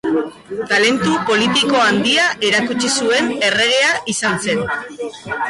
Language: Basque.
Talentu politiko handia erakutsi zuen erregea izan zen.